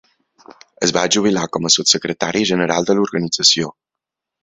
Es va jubilar com a sotssecretari general de l'organització.